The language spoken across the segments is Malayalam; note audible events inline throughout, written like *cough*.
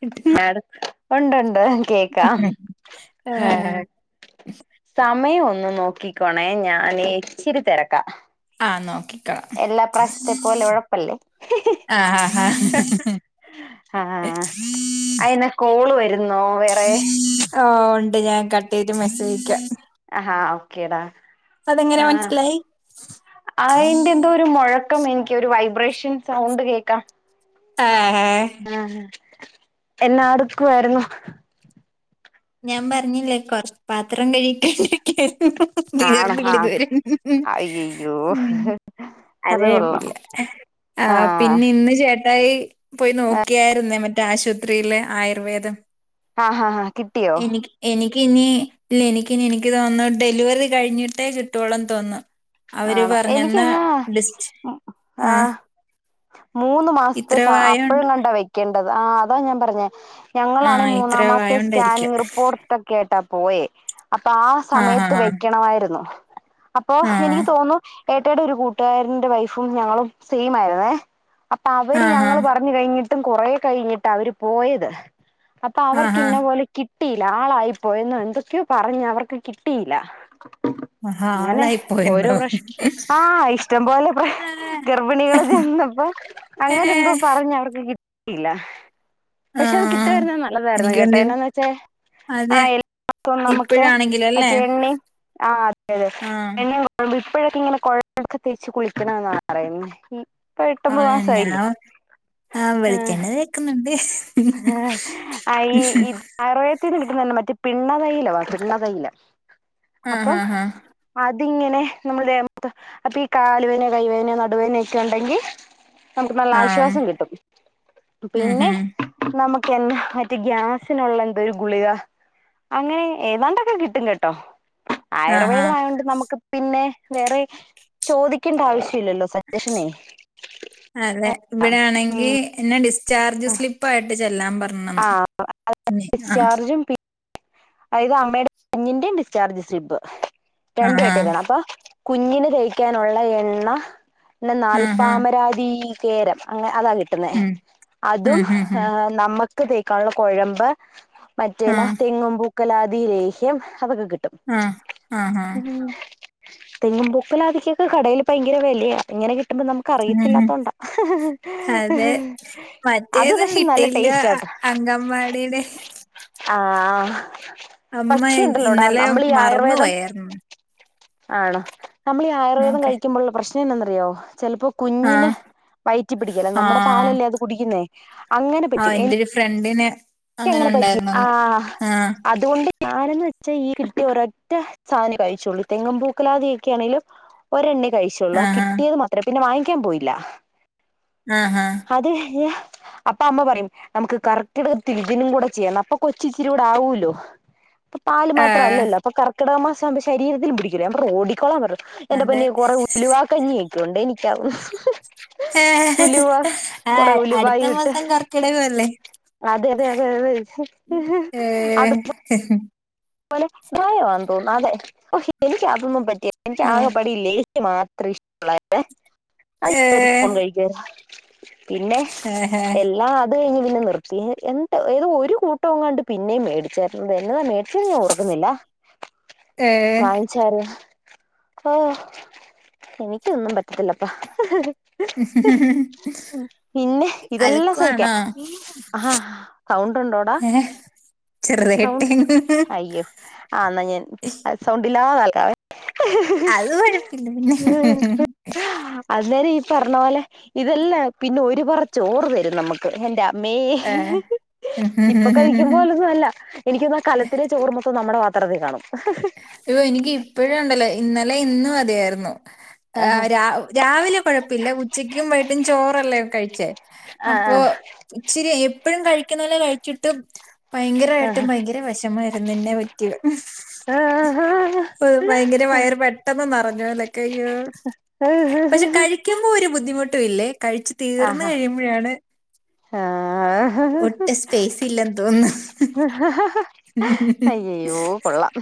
കിട്ടും ഉണ്ട്ണ്ട് കേക്കാം ഏഹ് ആഹ് സമയം ഒന്ന് നോക്കിക്കോണേ ഞാന് ഇച്ചിരി തെരക്കാ ആഹ് നോക്കിക്കോളാം എല്ലാ പ്രാവശ്യത്തെ പോലെ ഉഴപ്പല്ലേ ആഹ് ആഹ് ആഹ് അയിന കോള് വരുന്നോ വേറെ ആഹ് ഉണ്ട് ഞാൻ കട്ട് ചെയ്ത് മെസ്സേജയക്കാം ഹഹാ ഓക്കേടാ അതെങ്ങനെ ആ മനസ്സിലായി അയ്ന്റെ എന്തോ ഒരു മുഴ ക്കം എനിക്ക് വൈബ്രേഷൻ സൗണ്ട് കേക്കാം. ആഹ് ആഹ് എന്നാടുക്കുവായിരുന്നു ഞാൻ പറഞ്ഞില്ലേ കൊറ പാത്രം കഴികികൈഞ്ഞ് ഇരുക്കുവായിരുന്നു ആണോ തീർന്നില്ലേ ആഹ് ഇതുവരെ അയ്യയ്യോ അത് കൊള്ളാം അതൊയപ്പല്ല ആ ആഹ് പിന്നെ ഇന്ന് ചേട്ട അതായി പോയി നോക്കിയായിരുന്നേ മറ്റേ ആശുവത്രിയില് ആയുർവേദം ആഹാ കിട്ട് എനിക്ക് എനിക്കിനി ഇല്ല എനിക്കിനി എനിക്ക് തോന്നുന്നു ഡെലിവറി കഴിഞ്ഞിട്ടേ കിട്ടോളന്ന് തോന്നുന്നു അവര് ആണോ എനിക്ക് പറഞ്ഞെന്നാ ആഹ് ഡിസ് ആ ആഹ് മൂന്ന് മാസത്തെ ഇത്ര സ വായോണ്ട് അപ്പഴും കണ്ടാ വെക്കേണ്ടത് ആ അതാ ഞാൻ പറഞ്ഞെ ഞങ്ങളാണെ ആഹ് മൂന്നാ ഇത്ര മാസത്തെ വായോണ്ടായിരിക്കും സ്കാനിംഗ് റിപ്പോർട്ട് കേട്ടാ ആയിട്ട പോയേ അപ്പൊ ആ ആഹ് സമയത്ത് ആഹ് വെക്കണമായിരുന്നു അപ്പോ ആഹ് എനിക്ക് നിക്ക് തോന്നുന്നു ഏട്ടയുടെ ഒരു കൂട്ടുകാരന്റെ വൈഫും ഞങ്ങളും സെയിം ആയിരുന്നേ അപ്പൊ അവര് ആഹ് ഞങ്ങള് ആഹ് പറഞ്ഞ് കഴിഞ്ഞിട്ടും കുറേ കഴിഞ്ഞിട്ട്ടാ അവര് പോയത് അപ്പോ അവർക്ക് ആഹ് ഇന്ന പോലെ കി കിട്ടീയില്ല ആളായിപ്പോയെന്ന എന്തൊക്കെയോ പറഞ്ഞ് അവർക്ക് കിട്ടിയില്ല ഹ അങ്ങനെ ഓരോ ആളായിപ്പോയന്നോ പ്രശ് ആഹ് ഇഷ്ടം പോലെ *inaudible* ഗർഭിണികൾ ചെന്നപ്പോ അങ്ങനെ എന്തോ ഏഹ് പറഞ്ഞ് അവർക്ക് കിട്ടിയില്ല പക്ഷെ അത് ആഹ് കിട്ടാത്തിരുന്നത് നല്ലതായിരുന്നു എനിക്ക് കേട്ടോ തോന്നി എന്നാന്ന് വെച്ചാ അതെ ആഹ *inaudible* എല്ലാസ നമുക്ക് ഇപ്പഴാണെങ്കിലല്ലേ മറ്റേ എണ്ണയും ആ അതെതെ ആഹ് എണ്ണ *unintelligible* ഇപ്പോഴൊക്കെ ഇങ്ങനെ കൊഴമ്പൊകെ തേച്ച് കുളിക്കണംന്നാ പറയുന്നത്ഈ ആ ഞാൻ ആ ആഹ് വെളിച്ചെണ്ണ തേക്ക്‌ന്ന്ണ്ട് ഉ *inaudible* ആയുർവേദത്തിൽ നിന്ന് കിട്ടുന്ന തന്നെ മറ്റേ പിണ്ണ തൈലവാ പിണ്ണ തൈലവ അപ്പൊ ആഹ് ആഹ് ആഹ് അതിങ്ങനെ നമ്മുടെ ദേഹത്ത് അപ്പൊ ഈ കാലുവേദന കൈവേദന നടുവേതനൊക്കെ ഉണ്ടെങ്കിൽ നമുക്ക് നല്ല ആഹ് ആശ്വാസം കിട്ടും ഉം പിന്നെ ഉം നമുക്ക് എന്നാ മറ്റേ ഗ്യാസിനുള്ള എന്തൊരു ഗുളിക അങ്ങനെ ഏതാണ്ടൊക്കെ കിട്ടും കേട്ടോ ആഹ് ആഹ് ആയുർവേദമായൊണ്ട് നമുക്ക് പിന്നെ വേറെ ചോദിക്കേണ്ട ആവശ്യ ഇല്ലല്ലോ അതെ ഇവിടെയാണെങ്കി *unintelligible* എന്നെ ഡിസ്ചാർജ് സ്ലിപ്പായിട്ട് ചെല്ലാൻ പറഞ്ഞന്ന് ആഹ് അത് അമ്മടെ കുഞ്ഞിന്റെയും ഡിസ്ചാർജ് സ്ലിപ്പ് *unintelligible* ആഹാ ആണ് അപ്പൊ കുഞ്ഞിന് തേയ്ക്കാനുള്ള എണ്ണ പിന്നെ ആഹാ നാൽപ്പാമരാതി കേരം അങ്ങനെ അതാ കിട്ട്ന്നേ ഉം. ഉം അതും ഹും ഹും. ഏഹ് നമ്മ ക്ക് തേക്കാന്ള്ള കൊഴമ്പ് ആ മറ്റേലാ തെങ്ങും പൂക്കലാദി ലേഹ്യം അതൊക്കെ കിട്ടും ആ ആഹാ ട്ടും ഉം തെങ്ങും പുക്കൂലാദിക്കൊക്കെ കടയിൽ പയങ്കര വെലയ എങ്ങനെ ഉം. നമുക്ക്റിയത്തില്ലാത്തോണ്ടാ അതെ അത് പക്ഷെ നല്ല ടേസ്റ്റ് ആട്ടാ അങ്കൻവാടിയിടെ ആഹ് അമ്മ ഇ- പക്ഷെയുണ്ടല്ലോടാ ഇന്നലെ നമ്മള് ഈഹ് ആയുർവേദം *inaudible* ആണോ നമ്മള് ഈഹ് ആയുർവേദം നോക്കെ കഴിക്കുബോള്ള പ്രശ്നം എന്ന ന്നറിയോ ചെലപ്പോ ആ കുഞ്ഞിന് വയറ്റി പിടിക്കേല ആ നമ്മടെ പാലല്ലേ അത് കുടിക്ക്‌ന്നേ ആഹ് ഫ്രണ്ടിന് എന്റൊരു ഫ്രണ്ടിന് അങ്ങനെ ക്കങ്ങനെ പറ്റി ഉണ്ടായിരുന്നെന്ന് ആഹ് ആ അതുകൊണ്ട് ഞാനന്ന് വെച്ചാ ഈ കിട്ടിയ ഒരറ്റ സാധന കഴിചുള്ളു തെങ്ങിൻപൂക്കലാദിയൊക്കെയാണെലും ഒരെണ്ണേ കഴിച്ചുള്ളു ആഹ് ആഹാ കിട്ടിയത് മാത്രമേ പിന്നെ വാങ്ങിക്കാൻ പോയില്ല ആഹ് ആഹ് അത് ഏഹ് അപ്പം അമ്മ പറയും നമുക്ക് കർക്കിടകത്തിൽ ഇതിനും കൂടെ ചെയ്യാം അപ്പൊ കൊച്ച് ഇച്ചിരി കൂടെ ആവൂല്ലോ ഇപ്പ പാല് ആ മാത്രല്ലല്ലോ അപ്പ കർക്കിടക മാസാകുമ്പോ ശരീരത്തിൽ പിടിക്കില്ലേ ഓടിക്കോളാൻ പറ എന്റെറെ അതെ പൊന്നെ കൊറെ ഉലിവാ കഞ്ഞയൊക്കേണ്ടേ എനിക്ക ആഹ് അടുത്ത ഉലുവായിട്ട് മാസം കർക്കിടകല്ലേ അതെ അതെ അതെ അതെ അത്പ്പോ ആഹ് *unintelligible* തോന്നുന്നു അതെ ഓ എനിക്ക് അതൊന്നും പറ്റികേല എനിക്ക് ആ ആകെ പാടെ എനിക്ക് ലേഹിയം മാത്രം ഇഷ്ട ല്ലെ ഏ ആഹ് ഒരു സ്പൂൺ കഴിക്കരാ പിന്നെ ഏഹ് എല്ലാ അത് കഴിഞ് പിന്നെ നിർത്തി എന്താ ഏതോ ഒരു കൂട്ടോകാണ്ട് പിന്നെയും മേടിച്ചാരുന്നു എന്നാ ച്ചേ ഞാൻ ഓർക്കുന്നില്ല ഏഹ് വിചാർ ഓഹ് എനിക്കൊന്നും പറ്റത്തില്ലപ്പ ഹി ഹിഹി പിന്നെ ഇതെല്ലാം സഹിക്കാം അലക്കവാണോ ആഹാ സൗണ്ട് ഉണ്ടോടാ ഏഹ് സൗണ്ട് അയ്യോ ആഹ് എന്നാ ഞാൻ സൗണ്ട് ഇല്ലാതേ ലാക്കവേ ഉഹി അത് കൊഴപ്പില്ല പിന്നെ ഹിഹി ഹു ഹി അത് നേരം ഈഹ് പറഞ്ഞ പോലെ ഇതല്ലേ പിന്നെ ഒരു പറചോറ് തരും നമ്മക്ക് എന്റെ ഏ മേഹ് ഇപ്പൊ കഴിക്കുമ്പോലൊന്നുല്ലാ എനിക്കൊന്നാ ആഹ് കലത്തിലെ ചോറ് മൊത്തം നമ്മടെ പാത്രത്തിൽ കാണും ആഹ് എനിക്ക് ഇപ്പഴും ഇണ്ടല്ലോ ഇന്നലെ ഇന്നുതിയായിരുന്നു ആഹാ ആഹ് രാവിലെ കൊഴപ്പില്ല ഉച്ചക്കും വൈട്ടും ചോറല്ലേ കഴിച്ചേ ആ ആ അപ്പൊ ഇച്ചിരി എപ്പഴും കഴിക്കുന്നൊലെ കഴിച്ചിട്ടും ഭയങ്കരായിട്ടും ആഹാ ഭയങ്കര വിഷമായിരുന്നു എന്നാ പറ്റി റ്റിയെ ആഹാ ഭയങ്കര വയറ് പെട്ടെന്ന് ന്നറഞ്ഞപോലൊക്കെയ്യോ ആഹാ പക്ഷേ കഴിക്കുമ്പോ ഒരു ബുദ്ധിമുട്ടും ഇല്ലേ കഴിച്ച് തീർന്ന് കയുമ്പോഴാണ് ആഹ് സ്പേസ് ഇല്ലന്ന് തോന്നുന്നേ അയ്യയ്യോ കൊള്ളാം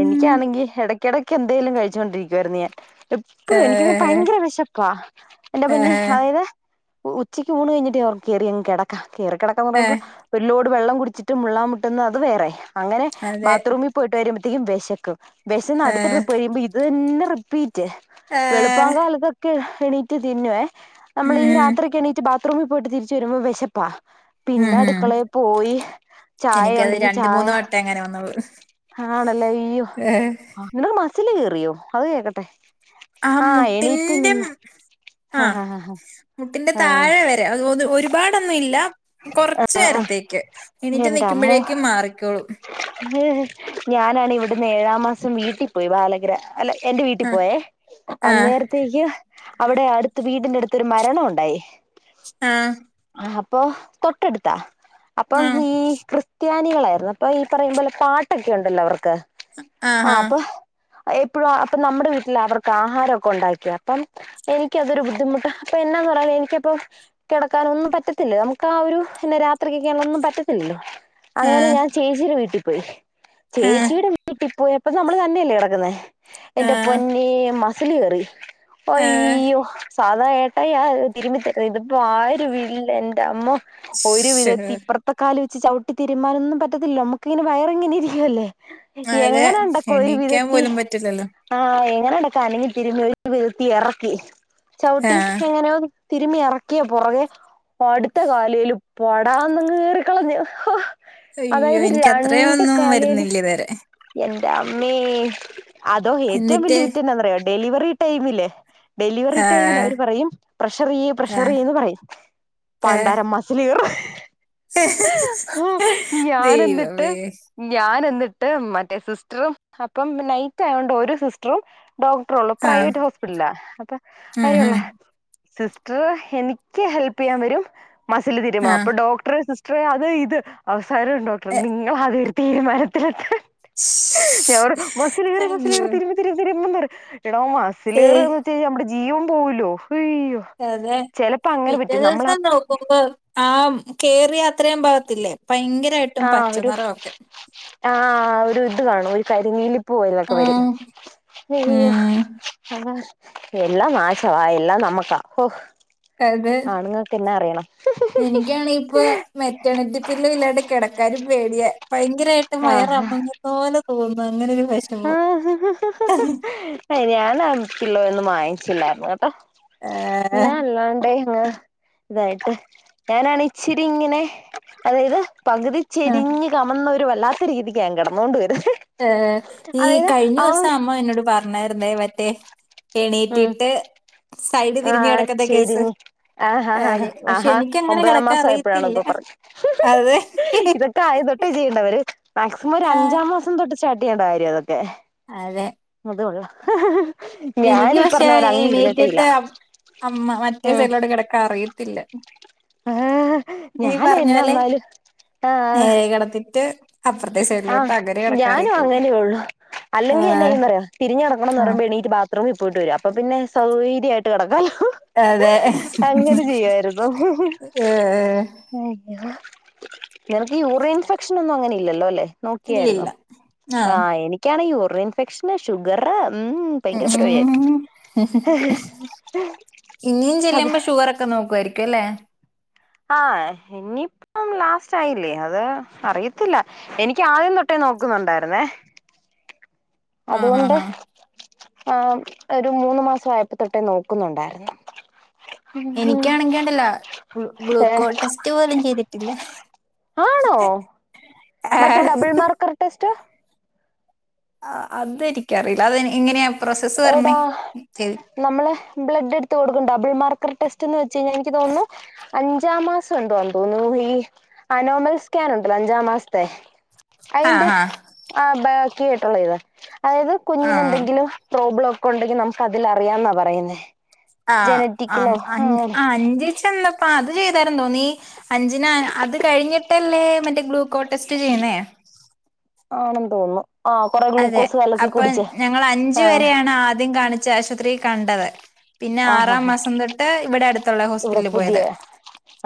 എനിക്ക് എനിക്കണെങ്കി ഇടക്കിടയ്ക്ക് എന്തേലും കഴിച്ചുകൊണ്ടിരിക്കുവായിരുന്നു ഞാൻ എപ്പഴും എനിക്കിങ് ഏഹ് ഭയങ്കര വിശപ്പാ എന്റെ പൊന്നെ ആഹാ അതായത് ഉച്ചക്ക് ഊണ് കഴിഞ്ഞിട്ട് കയറി അങ്ങ് കടക്ക, കേറി കിടക്കന്ന് ആഹ് പറയുമ്പോ ലോട് വെള്ളം കുടിച്ചിട്ട് മുള്ളാൻ മുട്ടുന്ന അത് വേറെ, അങ്ങനെ അതെ ബാത്റൂമിൽ... പോയിട്ട് വരുമ്പോഴത്തേക്കും വെശക്കും, വിശന്ന് അടുത്ത ആഹ് ട്രിപ്പ് കഴിയുമ്പോ ഇത് തന്നെ റിപ്പീറ്റ്. വെളു ആഹ് പാകാലതൊക്കെ എണീറ്റ് തിന്ന്വേ, നമ്മൾ ഈ ഉം രാത്രി ഒക്ക് എണീറ്റ്... ബാത്‌റൂമിൽ പോയിട്ട് തിരിച്ച വരുമ്പോ വിശപ്പാ, ഉം പിന്നെ ഉം അടുക്കളയിൽ പോയി... ചായ എനിക്കത് ഉണ്ടെങ്കി രണ്ട് ചായ, മൂന്ന് വട്ടം അങ്ങനെ വന്നോളൂ ആണല്ലെ? അയ്യോ! ഏഹ് നിനക്ക് മസില് കേയറിയോ? അത് കേക്കട്ടെ? ആഹ്, എണീറ്റ് മുട്ടിന്റെ, നിന്ന് ആഹ. ആഹ് ആഹ് മുട്ടിന്റെ ആഹ് താഴെ വരെ... ഒരുപാടൊന്നു ഇല്ല. കൊറച്ച നേരത്തേക്ക്, എണീറ്റ് നിക്കുമ്പോഴേക്കും മാറിക്കോളു. ഏഹ്, ഞാനാണങ്കി ഇവിടുന്ന് ഏഴാം മാസം വീട്ടിൽ പോയി ബാലഗ്ര. അല്ല എന്റെ വീട്ടിൽ ആഹ് പോയേ ആഹ് അന്നേരത്തേക്ക് അവിടെ അടുത്ത് വീടിന്റെ അടുത്തരു മരണം ഉണ്ടായി. ആഹ് ആഹ്, അപ്പൊ തൊട്ടടുത്താ അപ്പം ആഹ് ഈ ക്രിസ്ത്യാനികളായിരുന്നു. അപ്പൊ ഈ പറയും പോലെ പാട്ടൊക്കെ ഉണ്ടല്ലോ അവർക്ക് ആഹാ ആഹ് അപ്പൊ എപ്പോഴും അപ്പൊ നമ്മുടെ വീട്ടില് അവർക്ക് ആഹാരൊക്കെ ഉണ്ടാക്കി. അപ്പം എനിക്ക് അതൊരു ബുദ്ധിമുട്ട്, അപ്പൊ എന്നാന്ന് പറഞ്ഞാല് എനിക്കപ്പം കെടക്കാനൊന്നും പറ്റത്തില്ലല്ലോ നമുക്ക് ആ ഒരു പിന്നെ രാത്രി കക്കാന ഒന്നും പറ്റത്തില്ലല്ലോ അങ്ങനെ ആഹ് ഞാൻ ചേച്ചിടെ വീട്ടിൽ പോയി. ആഹ് ചേച്ചിയുടെ വീട്ടിൽ പോയപ്പോ നമ്മള് തന്നെയല്ലേ കെടക്കുന്നെ. എന്റെ ആഹ് പൊന്നേ മസില് കേറി ആഹ് അയ്യോ സാൾ അത ഏട്ടായിയാ തിരുമിത്ത ഇതിപ്പോ ആരു ഇല്ല ന്റെ അമ്മൊ. ഒരു ശോ വിധത്തി ഇപ്പറ് ഇപ്പൊ കാല് വച്ച് ചവിട്ടിത്തിരുമ്മാനൊന്നും പറ്റത്തില്ല, നമക്കിങ്ങനെ വയർ ഇങ്ങനെ ഇരിക്കുവല്ലെ. അതെ എങ്ങനെ ഉണ്ടാകു ഒരു എണീക്കാൻ വിധത്തി. പോലും പറ്റില്ലല്ലോ ആഹ്, എങ്ങനെ എടക്കാ, അലഞ്ഞി തിരിമ്മി ഒരു വിധത്തിൽ ഇറക്കി. ചവിട്ടി ആഹ് എങ്ങനെയോ തിരുമ്മി ഇറക്കിയ പുറകെ, അടുത്ത കാലേലും പടാന്ന് കേറിക്കളഞ്ഞു. അയ്യോ അതായത് എനിക്ക് രണ്ട് അത്രയൊന്നും കാലേല് വരുന്നില്ല ഇതുവരെ എൻ്റെ അമ്മേ അതോ ഏറ്റവും വല്യ എന്നിട്ട് വിറ്റെന്താന്നറിയോ? ഡെലിവറി ടൈമില് ഡെലിവറി ടൈമില് ആഹ് അവർ പറയും പ്രഷറ് ചെയ്യ് പ്രഷറ് ആഹ് ചെയ്യന്ന് പറയും. ആഹ് പണ്ടാറമാസ സ്ലീല് കേറി ഞാന് എന്നിട്ട് ദൈവമേ ഞാൻ എന്നിട്ട് മറ്റേ സിസ്റ്ററും, അപ്പം നൈറ്റ് ആയോണ്ട് ഒരു സിസ്റ്ററും ഡോക്ടറു ഉള്ളൂ, ആഹ് പ്രൈവറ്റ് ഹോസ്പിറ്റലില. അപ്പൊ ഉം അവരെയുള്ള... ഉം സിസ്റ്റർ എനിക്ക് ഹെല്പ് ചെയ്യാൻ വരും മസിൽ തീരുമും, ആഹ് അപ്പൊ ഡോക്ടറെ സിസ്റ്റ റ്ററേ അത് ഇത് അവസാരം ഡോക്ടർ എ നിങ്ങള് ആദ്യം ഒരു തീരുമാനത്തിലെത്താൻ. ഞാൻ ശ്ശ്. പറയും മസില് കേറി മസില് കേറി അയ്യോ തിരുമ്പ് തിരു തിരുമ്പ് പറയും. എടാ മസില് കേറ ഏഹ് നമ്മുടെ ജീവം പോവല്ലോ. അയ്യോ അതെ, ചെലപ്പോ അങ്ങനെ പിറ്റേ പറ്റും നമ്മളാ ദിവസം നോക്കുമ്പം. ആഹ്, കേറിയ അത്രേം ഭാഗത്തില്ലെ? ഭയങ്കരായിട് ആഹ് ഒരു ആ ഒരു ഇത് കാണും, ഒരു കരിനീലി പ്പ് പോലൊക്കെ വരും. ആഹ് അയ്യൊ ഉം അതെ. എല്ലാം നശവാ, എല്ലാം നമക്കാ. ഓഫ് അതെ, എനിക്കാണെങ്കി ഇപ്പൊ മെറ്റേണിറ്റി പില്ലും ഇല്ലാണ്ട കിടക്കാനും പേടിയ, ഭയങ്കരായിട്ട് ആഹ് വയറർങ്ങു തോന്നെ തോന്നും, അങ്ങനെ ഒരു വെഷ ആഹ്, ഞാൻ അ ഞാനാ പില്ലോ ഒന്നും വാങ്ങിച്ചില്ലായിരുന്നു കേട്ടോ? ആഹ് ഞാൻ ഉള്ളതോണ്ട് ഇങ്ങനെ ഇതായിട്ട് ഞാനാണെ ഇച്ചിരി ഇങ്ങനെ അതായത് പകുതി ആ ചെരിഞ്ഞ് കമന്നൊര് വല്ലാത്ത രീതിക്കാ ഞാൻ കെടന്നോണ്ട് വര് ഏ ഈ കഴിഞ്ഞൂസം അമ്മ എന്നോട് പറഞ്ഞാര്ന്നേ മറ്റെ ഉം എണീറ്റിട്ട് സൈഡ് തിരിഞ്ഞ് ആഹ് കെടക്ക്ന്ന കേസ് ചെരിഞ്ഞ് ആഹ് ഏ ആഹ് പക്ഷെ ആഹാ എനിക്കങ്ങനെ ഒമ്പതാം കെടക്കാ മാസം ആയപ്പോഴാണോ അറിയത്തില്ല അതെ ക്കാദ്യം തൊട്ടേ ചെയ്യണ്ടവര് മാക്സിമൊര് ആഹ് അഞ്ചാം മാസം തൊട്ട് സ്റ്റാർട്ടെയ്യണ്ട കാര്യാ ഇതൊക്കെ അതെ അത് കൊള്ളാ എനിക്ക് പക്ഷേ എണീറ്റിട്ട് അമ്മ മറ്റേ സൈഡിലോട്ട് കെടക്കാൻ അറിയത്തില്ല ഏഹ് നീ ഞാനെന്നാ വന്നാലും ആഹ് കെടത്തിട്ട് ആഹ് ഞാനും അങ്ങനെള്ളു അല്ലെങ്കി ആഹ് എന്നയ്യുന്നറ്യോ തിരിഞ്ഞ് കെടക്കണംന്ന് ആഹ് പറയ്മ്പൊ എണീറ്റ് ബാ ത്രൂമി പോയിട്ട് വെരും അപ്പ പിന്നെ സൗകര്യായിട്ട് കെടക്കാലോ അതെ അങ്ങനെ ചെയ്യാര്ന്നു ഏഹ് *unintelligible* നിനക്ക് യൂറിൻഫെക്ഷനൊന്നും അങ്ങനെ ഇല്ലല്ലോ അല്ലേ നോക്യാര്ന്നോ ഇല്ലില്ല ആഹ് എനിക്കാണെ യൂറിൻഫെക്ഷന് ഷുഗറ് ഉം ഭയങ്കര പരിപാടിയാര്ന്നു ആഹ് ഞ്ഞി ചെല്ലുമ്പെ ഷുഗറൊക്കെ നോക്വായിരിക്കും അല്ലേ ആഹ് ഇനിയിപ്പം ലാസ്റ്റായില്ലേ അത് അറിയത്തില്ല എനിക്കാദ്യം തൊട്ടേ നോക്കുന്നുണ്ടായിര്ന്നേ ആ അത് ഹാ കൊണ്ട് ഹാ ആ ഒരു മൂന്ന് മാസായപ്പ തൊട്ടേ നോക്കുന്നുണ്ടാര്ന്നു എനിക്കാണെങ്കിണ്ടല്ലൊ ഗ്ലൂക്കോ ഏഹ് ടെസ്റ്റ് പോലും ചെയ്തിട്ടില്ല ആണോ ആഹ് ടെസ്റ്റ് ആഹ് അതെനിക്കറീല അത് എങ്ങന്യാ പ്രൊസസ്സ് പർഞ്ഞേ ചെ നമ്മളെ ബ്ലഡ്ട്ത്ത് കൊട്ക്കും ഡബിൾ മാർക്കർ ടെസ്റ്റ്ന്ന് വെച്ചെയ്ഞ്ഞാ എനിക്ക് തോന്നുന്നു അഞ്ചാം മാസം എന്തോ ആണ് തോന്നുന്നു ഈ അനോമൽ സ്കാൻ ഉണ്ടല്ലോ അഞ്ചാം മാസ്ത്തെ ആ അയ്ന്റെ ഹാ ആ ബാക്കിയിട്ടുള്ള ഇത് അതായത് ആ കുഞ്ഞിനെന്തെങ്കിലും പ്രോബ്ലൊക്കെണ്ടെങ്കി നമുക്കതിലാറിയാന്നാ പറയ്ന്നേ ആഹ് ആം അൻ അ അഞ്ച് ച്ചെള്ളെ പ്പ അത് ചെയ്താരം തോന്നി അഞ്ചിന അത് കഴിഞ്ഞിട്ടല്ലേ മറ്റേ ഗ്ലൂക്കോ ടെസ്റ്റ് ചെയ്യുന്നേ ആണെന്ന് തോന്നുണു ആ കൊറെ അതെ ഗ്ലൂക്കോസ് കലക്കി അപ്പൊ കുടിച്ച് ഞങ്ങളഞ്ച് ആ വെരെയാണ് ആദ്യം കാണിച്ചാശുപത്രി കണ്ടത് ആ ഹാ പിന്നാറാം ഹാ മാസം തൊട്ട് ഇവിടടുത്തുള്ള ഇവിടെ ഹോസ്പിറ്റലിൽ പുതിയ പോയത്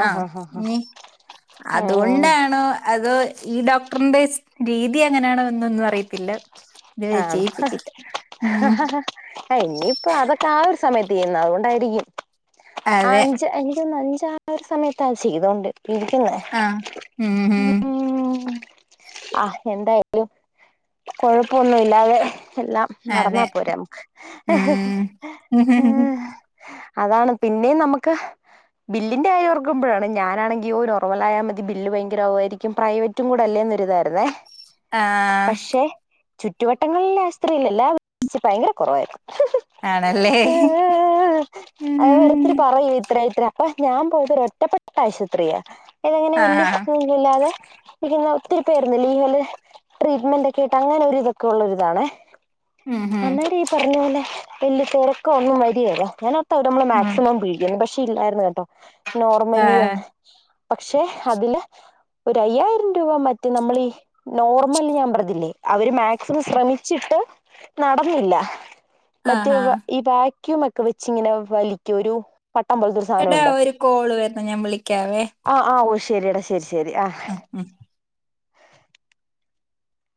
ആ ആഹ് ഹാ ഹാ ഹാ ഞ്ഞി ഉം അതുകൊണ്ടാണോ അതോ ഈ ഡോക് ടർന്റെ സ് രീതി അങ്ങനാണോ എന്നൊന്നും അറിയത്തില്ല ഇത് വെരെ ചെയ്യിപ്പിച്ചില്ല ഉം അ ഇനിപ്പോ അതൊക്കെ ആ ഒര് സമയത്ത് ചെയ്യുന്ന അതോണ്ടായിരിക്കും ആ അതെ അഞ്ച് അഞ്ചൊന്ന് അഞ്ചാ ഒര് സമയത്താ ചെയ്തോണ്ട് ഇരിക്കുന്നേ ആ ഉം ആഹ് എന്തായാലും കൊഴപ്പൊന്നുല്ലാതെ എല്ലാം നടന്നാ അതെ പോരെ നമ്മക്ക് ഉം അതാണ് പിന്നിം നമ്മക്ക് ബില്ലിന്റെ കാര്യോർക്കുമ്പഴാണ് ഞാനാണെങ്കി ഓ നോർമലായ മതി ബില്ല് ഭയങ്കരാവു ആയിരിക്കും പ്രൈവ റ്റും കൂടല്ലേന്നൊരിതായിര്ന്നേ ആഹ് ചുറ്റുവട്ടങ്ങളില്ല ആശുപത്രിയില് എല്ലാം *unintelligible* ഭയങ്കര കൊറവായിരുന്നു ആണല്ലേ അത് ഉം ഓരോരുത്തര് പറയും ഇത്ര ഇത്ര അപ്പൊ ഞാൻ പോയത് ഒരൊറ്റപ്പെട്ട ആശുപത്രിയാ അയ്ലങ്ങനെ ആ വെല്ല്യ ഇല്ലാതെ ഇരുന്ന ഒത്തിരി പേരന്ന് ലീവില് ട്രീറ്റ്മെന്റ് ഒക്കെ ആയിട്ട് അങ്ങനെ ഒരി ക്കൊള്ളൊരിതാണേ ഉം ഉം. അന്നേരം ഈ പറഞ്ഞ പോലെ വലിയ തെരക്കോ ഒന്നും വരിയേല്ല അങ്ങനത്തവർ നമ്മള് ഉം. മാക്സിമം പിഴിയുന്നു പ ക്ഷെയില്ലായിരുന്നു കേട്ടോ ആ നോർമലി ഒന്ന് പക്ഷെ അതില് ഒരു അയ്യായിരം രൂപ മറ്റ് നമ്മളീ നോർമൽ ഞാൻ പറതില്ലേ അവര് മാക് സിമം ശ്രമിച്ചിട്ട് നടന്നില്ല മറ്റേ ആഹാ ഈ വാക് ക്യൂം ഒക്കെ വെച്ചിങ്ങനെ വലിക്കും ഒരു പട്ടം പോലത്തൊരു സ് എടാ ഒരു കോള് വരുന്നു ഞാൻ വിളിക്കാവേ ആഹ് ആഹ് ഓഹ് ശെരിയടാ ശരി ശരി ആഹ് ആഹ് ഉം